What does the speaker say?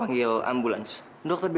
kita masuk yuk